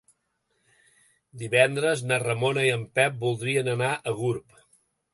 Divendres na Ramona i en Pep voldria anar a Gurb.